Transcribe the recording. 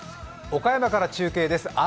岡山から中継です。